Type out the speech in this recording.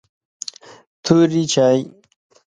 توري چای